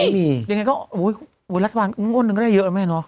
ยังไงก็โอ้ยรัฐบาลง่วงหนึ่งก็ได้เยอะไหมเนอะ